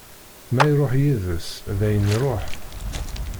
Ma iruḥ yiḍes, dayen iruḥ!